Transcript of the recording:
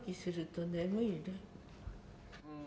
うん。